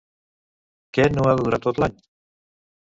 Què no ha de durar tot l'any?